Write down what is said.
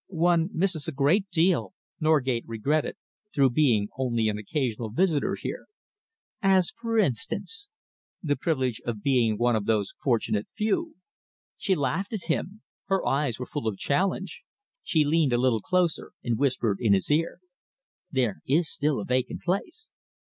"One misses a great deal," Norgate regretted, "through being only an occasional visitor here." "As, for instance?" "The privilege of being one of those fortunate few." She laughed at him. Her eyes were full of challenge. She leaned a little closer and whispered in his ear: "There is still a vacant place."